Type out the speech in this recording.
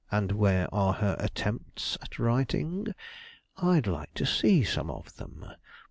"And where are her attempts at writing? I'd like to see some of them.